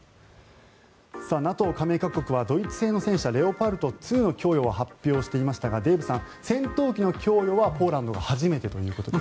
ＮＡＴＯ加盟各国はドイツ製の戦車レオパルト２の供与を発表していましたがデーブさん戦闘機の供与はポーランドが初めてということです。